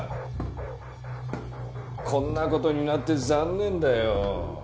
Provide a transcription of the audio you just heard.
こんな事になって残念だよ。